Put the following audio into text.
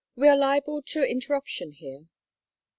"We are liable to interruption here."